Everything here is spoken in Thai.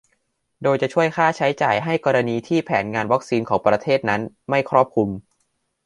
โดยจะช่วยค่าใช้จ่ายให้กรณีที่แผนงานวัคซีนของประเทศนั้นไม่ครอบคลุม